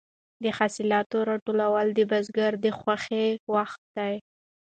د حاصلاتو راټولول د بزګر د خوښۍ وخت دی.